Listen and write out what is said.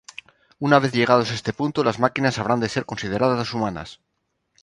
Una vez llegados a este punto, las máquinas habrán de ser consideradas humanas.